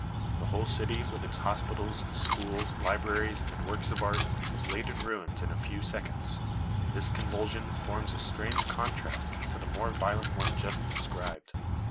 The whole city, with its hospitals, schools, libraries and works of art, was laid in ruins in a few seconds. This convulsion forms a strange contrast to the more violent one just described.